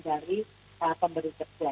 dari pemberi kerja